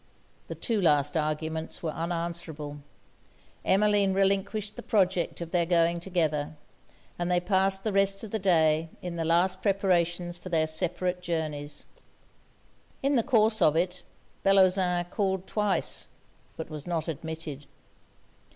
The two last arguments were unanswerable: Emmeline relinquished the project of their going together; and they passed the rest of the day in the last preparations for their separate journeys. In the course of it, Bellozane called twice, but was not admitted.